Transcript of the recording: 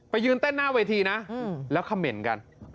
ยืนเต้นหน้าเวทีนะแล้วคำเหม็นกัน